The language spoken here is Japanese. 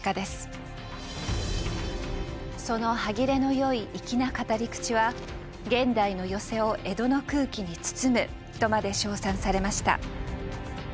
その歯切れの良い粋な語り口は「現代の寄席を江戸の空気に包む」とまで称賛されました。